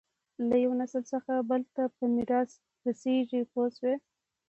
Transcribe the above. له یوه نسل څخه بل ته په میراث رسېږي پوه شوې!.